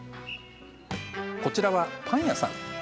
こちらはパン屋さん。